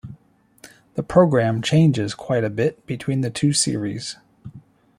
The program changes quite a bit between the two series.